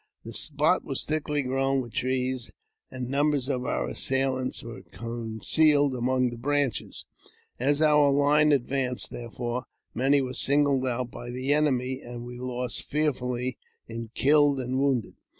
The spot was thickly grown with trees, and numbers of our assailants were concealed among the branches ; as our line advanced, therefore, many were singled out by the enemy, and we lost fearfully in killed and wounded.